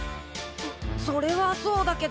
それはそうだけど。